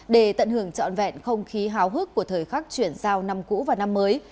để tận hưởng trọn vẹn không khí háo hức của thời khắc chuyển giao năm cũ và năm mới